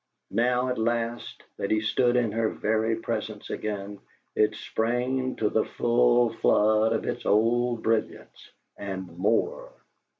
Now, at last, that he stood in her very presence again, it sprang to the full flood of its old brilliance and more!